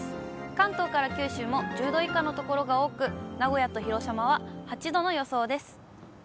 関東から九州も１０度以下の所が多く、名古屋と広島は８度の予想です。